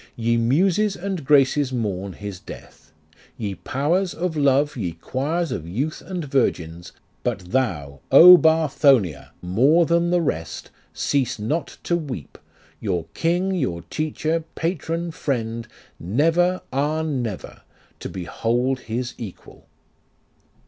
Ye Muses and Graces mourn His death ; Ye powers of Love, ye choirs of youth and virgins, But thou, Bathonia ! more than the rest, Cease not to weep, Your king, your teacher, patron, friend, Never, ah, never, to behold His equal.